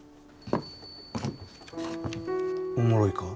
おもろいか？